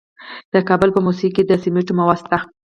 د کابل په موسهي کې د سمنټو مواد شته.